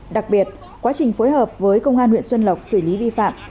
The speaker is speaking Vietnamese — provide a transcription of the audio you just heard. đặc biệt quá trình phối hợp với công an huyện xuân lộc xử lý vi phạm